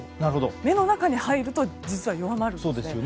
目の中に入ると実は弱まるんですね。